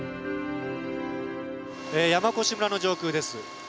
山古志村の上空です。